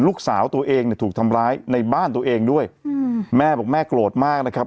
ลูกสาวตัวเองเนี่ยถูกทำร้ายในบ้านตัวเองด้วยอืมแม่บอกแม่โกรธมากนะครับ